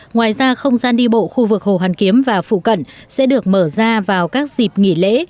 ngoài ra không gian đi bộ khu vực hồ hoàn kiếm và phụ cận sẽ được mở ra vào các dịp nghỉ lễ